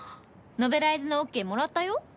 ノベライズのオッケーもらったよ。